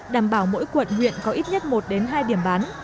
đảm bảo mỗi quận huyện có ít nhất một đến hai điểm bán